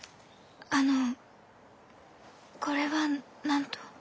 あのこれは何と？